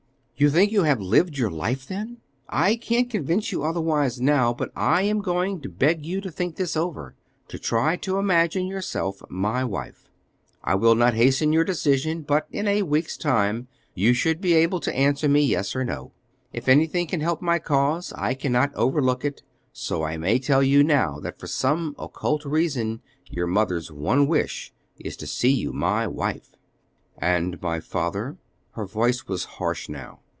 "You think you have lived your life, then. I can't convince you otherwise now; but I am going to beg you to think this over, to try to imagine yourself my wife. I will not hasten your decision, but in a week's time you should be able to answer me yes or no. If anything can help my cause, I cannot overlook it; so I may tell you now that for some occult reason your mother's one wish is to see you my wife." "And my father?" her voice was harsh now.